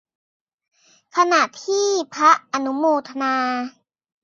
ขณะที่พระอนุโมทนา